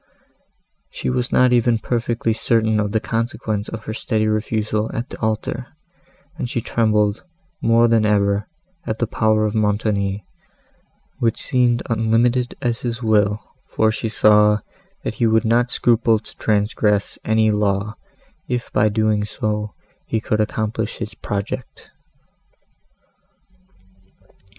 She was not even perfectly certain of the consequence of her steady refusal at the altar, and she trembled, more than ever, at the power of Montoni, which seemed unlimited as his will, for she saw, that he would not scruple to transgress any law, if, by so doing, he could accomplish his project.